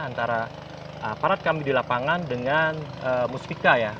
antara aparat kami di lapangan dengan mustika ya